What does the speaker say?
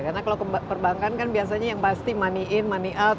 karena kalau perbankan kan biasanya yang pasti money in money out